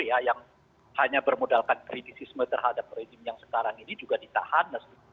yang hanya bermodalkan kritisisme terhadap rejim yang sekarang ini juga ditahan